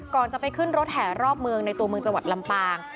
ก่อนจะไปขึ้นรถแห่รอบเมืองในตัวเมืองจังหวัดลำปาง